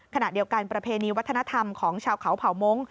ขณะเดียวกันประเพณีวัฒนธรรมของชาวเขาเผ่ามงค